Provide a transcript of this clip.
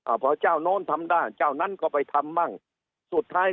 พอเจ้าโน้นทำได้เจ้านั้นก็ไปทำมั่งสุดท้าย